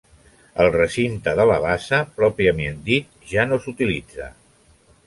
El recinte de la bassa pròpiament dit ja no s'utilitza.